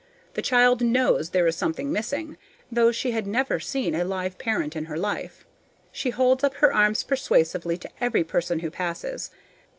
The child knows there is something missing, though she has never seen a live parent in her life. She holds up her arms persuasively to every person who passes.